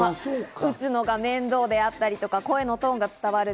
打つのが面倒だったり声のトーンが伝わる。